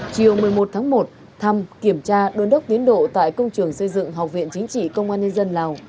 chiều một mươi một tháng một thăm kiểm tra đôn đốc tiến độ tại công trường xây dựng học viện chính trị công an nhân dân lào